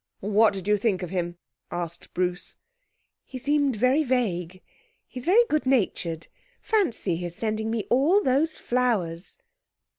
'What did you think of him?' asked Bruce. 'He seemed very vague. He's very good natured; fancy his sending me all those flowers!'